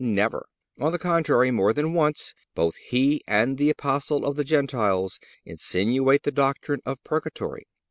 Never. On the contrary, more than once both He and the Apostle of the Gentiles insinuate the doctrine of purgatory.